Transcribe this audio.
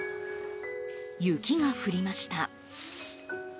雪が降りました。